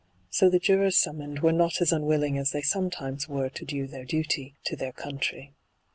So the jurors summoned were not as unwilling as they sometimes were to do their duty to their country.